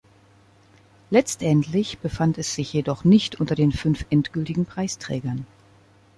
Letztendlich befand es sich jedoch nicht unter den fünf endgültigen Preisträgern.